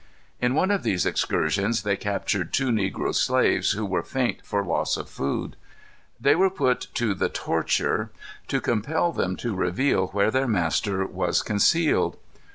In one of these excursions they captured two negro slaves, who were faint for loss of food. They were both put to the torture, to compel them to reveal where their master was concealed.